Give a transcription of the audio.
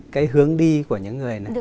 cái hướng đi của những người này